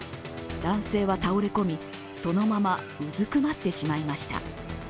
男性は倒れ込み、そのままうずくまってしまいました。